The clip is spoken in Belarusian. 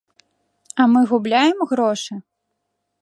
А мы губляем грошы?